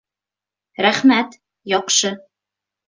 Рәхмәт, яҡшы.